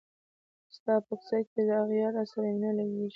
ستا په کوڅه کي له اغیار سره مي نه لګیږي